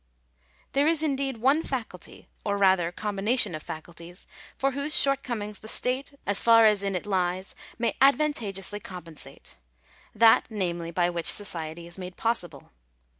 §4. There is indeed one faculty, or rather combination of facul | ties, for whose shortcomings the state, as far as in it lies, may 1 advantageously compensate — that, namely, by which society is made possible.